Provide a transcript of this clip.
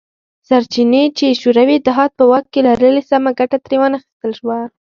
سرچینې چې شوروي اتحاد په واک کې لرلې سمه ګټه ترې وانه خیستل شوه